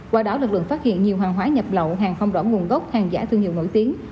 qua đó lực lượng phát hiện nhiều hàng hóa nhập lậu hàng không rõ nguồn gốc hàng giả thương hiệu nổi tiếng